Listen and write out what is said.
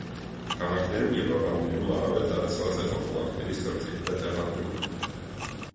Քաղաքներում և ավաններում առավել տարածված է խողովակների ստորգետնյա տեղադրումը։